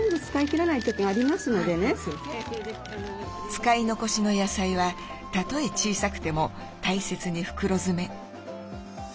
使い残しの野菜はたとえ小さくても大切に袋詰め。